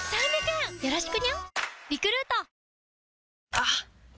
あっ！